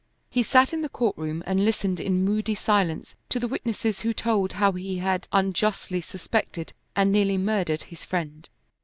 He sat in the court room and listened in moody silence to the witnesses who told how he had unjustly suspected and nearly murdered his friend.